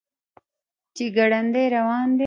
چې ګړندی روان دی.